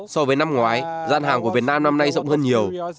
so với năm ngoái gian hàng của việt nam năm nay rộng hơn nhiều